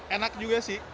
enak juga sih